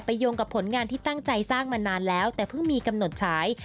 โยงกับผลงานที่ตั้งใจสร้างมานานแล้วแต่เพิ่งมีกำหนดฉาย